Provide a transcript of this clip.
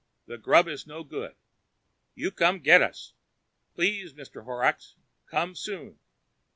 The Grub is no good. You come get us. Plese Mr. Horox. Come soon.